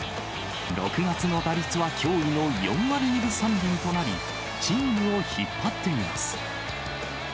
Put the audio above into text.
６月の打率は驚異の４割２分３厘となり、チームを引っ張っています。